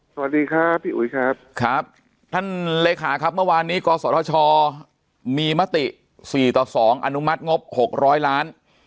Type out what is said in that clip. สวัสดีครับพี่อุ๋ยครับครับท่านเลขาครับเมื่อวานนี้กศธชมีมติ๔ต่อ๒อนุมัติงบ๖๐๐ล้าน